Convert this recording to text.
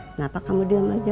kenapa kamu diam aja